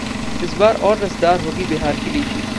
इस बार और रसदार होगी बिहार की लीची